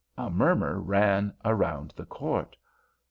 A murmur ran round the court.